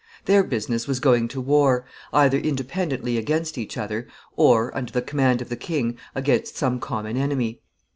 Their business was going to war, either independently against each other, or, under the command of the king, against some common enemy.